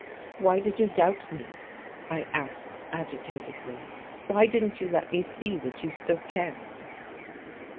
"Why did you doubt met" I asked agitatedly. "Why didn't you let me see that you still cared?"